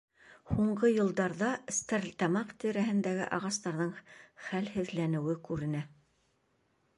— Һуңғы йылдарҙа Стәрлетамаҡ тирәһендәге ағастарҙың хәлһеҙләнеүе күренә.